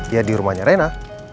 ya di rumahnya reina